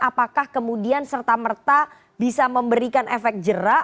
apakah kemudian serta merta bisa memberikan efek jerah